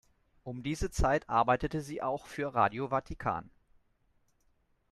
Um diese Zeit arbeitete sie auch für Radio Vatikan.